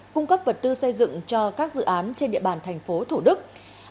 cung cấp vật tư xây dựng cho các dự án trên địa bàn tp hcm